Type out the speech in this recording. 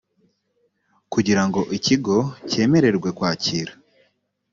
kugira ngo ikigo cyemererwe kwakira